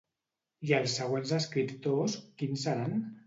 I els següents escriptors quins seran?